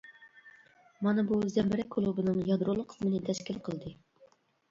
مانا بۇ زەمبىرەك كۇلۇبىنىڭ يادرولۇق قىسمىنى تەشكىل قىلدى.